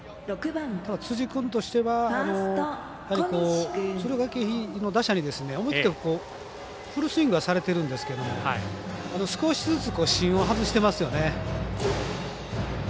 辻君としては敦賀気比の打者に思い切ってフルスイングされてるんですけど少しずつ芯を外してますよね。